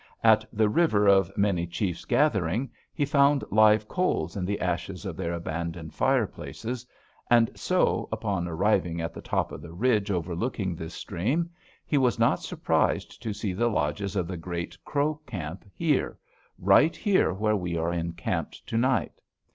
At the River of Many Chiefs Gathering he found live coals in the ashes of their abandoned fireplaces, and so, upon arriving at the top of the ridge overlooking this stream, he was not surprised to see the lodges of the great Crow camp here right here where we are encamped to night.